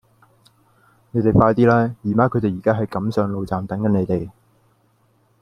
你哋快啲啦!姨媽佢哋而家喺錦上路站等緊你哋